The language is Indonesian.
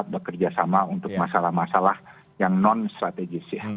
bekerjasama untuk masalah masalah yang non strategis